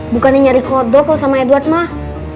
bukannya nyari kodok kok sama edward mah